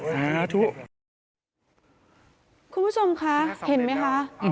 คุณผู้ชมคะเห็นไหมคะ